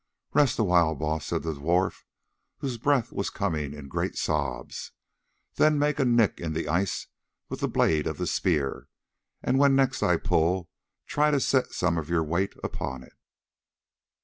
"Rest awhile, Baas," said the dwarf, whose breath was coming in great sobs, "then make a little nick in the ice with the blade of the spear, and when next I pull, try to set some of your weight upon it."